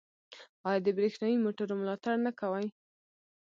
آیا د بریښنايي موټرو ملاتړ نه کوي؟